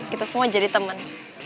kita semua jadi teman